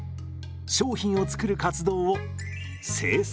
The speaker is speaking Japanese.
商品を作る活動を生産。